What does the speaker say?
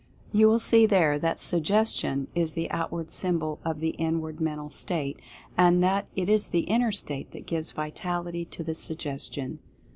You will see there that Suggestion is the outward symbol of the inward Mental State, and that it is the inner state that gives vitality to the Suggestion.